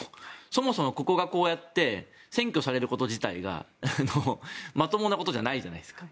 そもそも、ここがこうやって占拠されること自体がまともなことじゃないじゃないですか。